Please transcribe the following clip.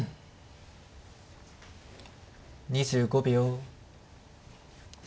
２５秒。